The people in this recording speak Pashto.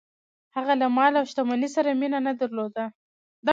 هغه له مال او شتمنۍ سره یې مینه نه درلوده.